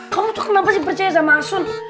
kamu tuh kenapa sih percaya sama asun